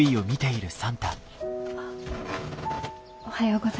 おはよう。